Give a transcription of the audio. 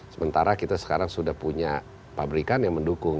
sementara kita sekarang sudah punya pabrikan yang mendukung